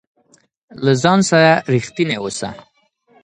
له ځان سره رښتينی اوسه